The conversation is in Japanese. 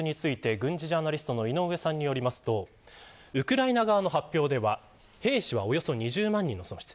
そんなロシア軍の損失について軍事ジャーナリストの井上さんによりますとウクライナ側の発表では兵士は、およそ２０万人の損失。